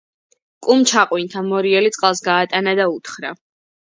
კუმ ჩაყვინთა, მორიელი წყალს გაატანა და უთხრა: